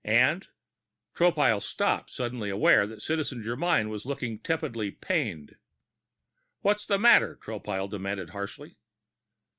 And " Tropile stopped, suddenly aware that Citizen Germyn was looking tepidly pained. "What's the matter?" Tropile demanded harshly.